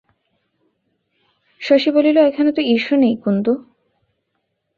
শশী বলিল, এখন তো ইশও নেই কুন্দ?